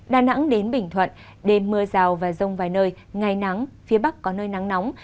đà nẵng đến bình thuận đêm mưa rào và rông vài nơi ngày nắng phía bắc có nơi nắng nóng